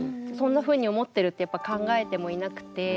そんなふうに思ってるってやっぱ考えてもいなくて。